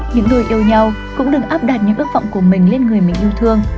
những người yêu nhau cũng đừng áp đặt những ước vọng của mình lên người mình yêu thương